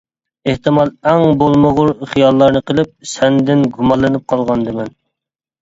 ئېھتىمال ئەڭ بولمىغۇر خىياللارنى قىلىپ، سەندىن گۇمانلىنىپ قالغاندىمەن.